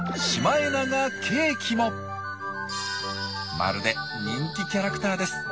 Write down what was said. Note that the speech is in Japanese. まるで人気キャラクターです。